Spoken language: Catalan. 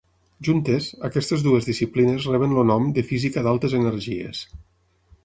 Juntes, aquestes dues disciplines reben el nom de física d'altes energies.